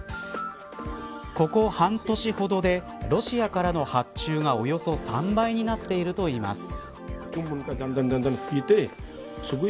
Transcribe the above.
ここ半年ほどでロシアからの発注がおよそ３倍になっているといいます。